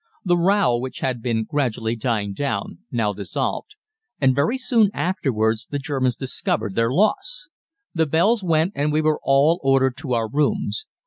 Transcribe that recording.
The row, which had been gradually dying down, now dissolved, and very soon afterwards the Germans discovered their loss. The bells went and we were all ordered to our rooms.